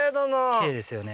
きれいですよね。